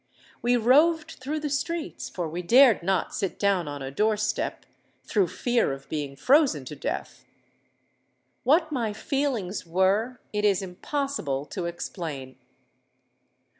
We roved through the streets—for we dared not sit down on a door step, through fear of being frozen to death! What my feelings were, it is impossible to explain.